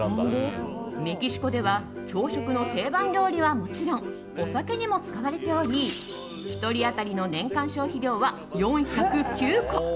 メキシコでは朝食の定番料理はもちろんお酒にも使われており１人当たりの年間消費量は４０９個。